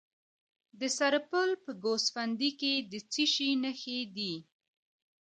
د سرپل په ګوسفندي کې د څه شي نښې دي؟